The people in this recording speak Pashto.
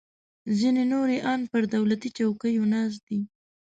ځینې نور یې ان پر دولتي چوکیو ناست دي